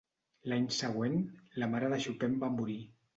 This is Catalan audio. L'any següent, la mare de Chopin va morir.